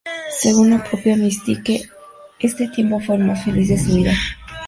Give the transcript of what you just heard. Según la propia Mystique, este tiempo fue el más feliz de su vida.